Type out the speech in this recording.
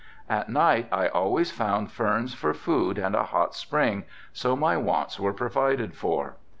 At night I always found ferns for food and a hot spring so my wants were provided for.